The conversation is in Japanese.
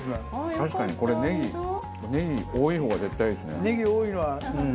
確かにこれネギネギ多い方が絶対いいですね。